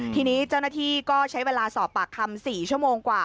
ทีนี้เจ้าหน้าที่ก็ใช้เวลาสอบปากคำ๔ชั่วโมงกว่า